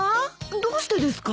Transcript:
どうしてですか？